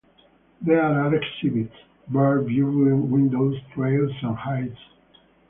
There are exhibits, bird viewing windows, trails and hides.